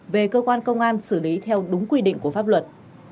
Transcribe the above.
về cơ quan công an xử lý theo đúng quy định của pháp luật